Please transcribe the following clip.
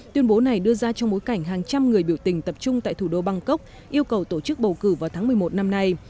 tuyên bố này đưa ra trong bối cảnh hàng trăm người biểu tình tập trung tại thủ đô bangkok yêu cầu tổ chức bầu cử vào tháng một mươi một năm nay